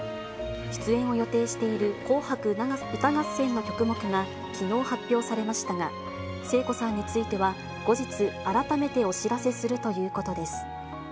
出演を予定している紅白歌合戦の曲目がきのう発表されましたが、聖子さんについては後日、改めてお知らせするということです。